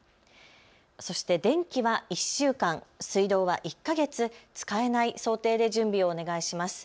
そして電気は１週間、水道は１か月使えない想定で準備をお願いします。